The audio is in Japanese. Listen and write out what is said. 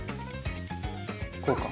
こうか。